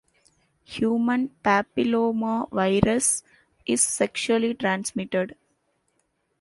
Human papillomavirus is sexually transmitted.